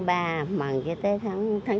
bằng cho tới tháng chín